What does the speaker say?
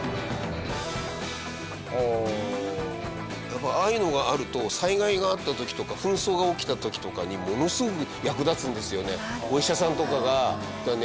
やっぱああいうのがあると災害があった時とか紛争が起きた時とかにものすごく役立つんですよね。